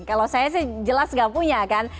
kalau saya sih jelas nggak punya kan